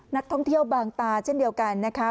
นักท่องเที่ยวบางตาเช่นเดียวกันนะคะ